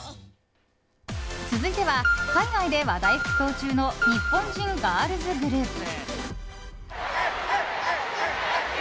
続いては、海外で話題沸騰中の日本人ガールズグループ。